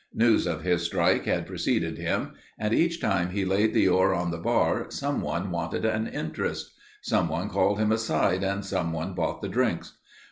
News of his strike had preceded him and each time he laid the ore on the bar someone wanted an interest. Someone called him aside and someone bought the drinks.